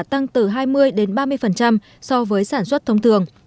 tăng từ hai mươi đến ba mươi so với sản xuất thông thường